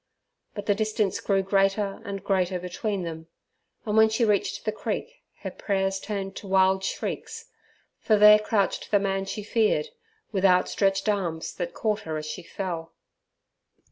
But the distance grew greater and greater between them, and when she reached the creek her prayers turned to wild shrieks, for there crouched the man she feared, with outstretched arms that caught her as she fell.